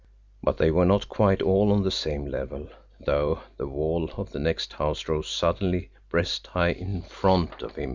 But they were not quite all on the same level, though the wall of the next house rose suddenly breast high in front of him.